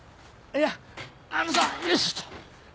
いやあのさよいしょっと。